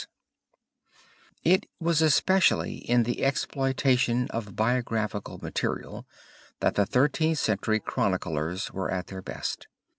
PISANO) It was especially in the exploitation of biographical material that the Thirteenth Century chroniclers were at their best.